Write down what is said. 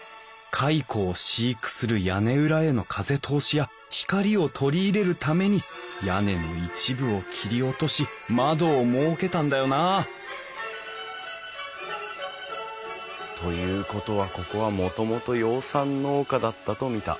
蚕を飼育する屋根裏への風通しや光を取り入れるために屋根の一部を切り落とし窓を設けたんだよなあということはここはもともと養蚕農家だったと見た。